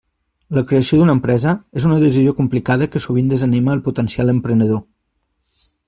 La creació d'una empresa és una decisió complicada que sovint desanima el potencial emprenedor.